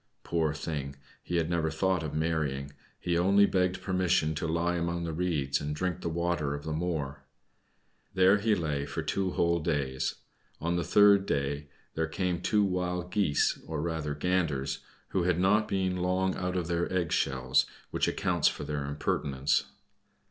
Poor thing! he had never thought of marrying; he only begged permission to lie among the reeds, and drink the water of the moor. There he lay for two whole days. On the third day there came two Wild Geese, or rather Ganders, who had not been long out of their egg shells, which accounts for their impertinence.